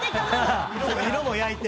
色も焼いて。